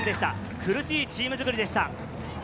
苦しいチーム作りでした。